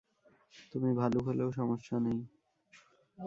তুমি ভালুক হলেও সমস্যা নেই।